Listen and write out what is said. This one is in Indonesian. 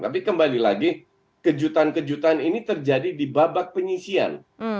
tapi kembali lagi kejutan kejutan ini terjadi di babak penyisian